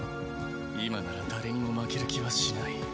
今なら誰にも負ける気はしない。